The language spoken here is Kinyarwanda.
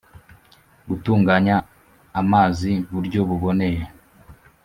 Gutunganya amazi buryo buboneye